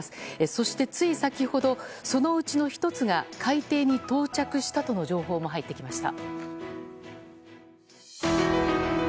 そしてつい先ほどそのうちの１つが海底に到着したとの情報も入ってきました。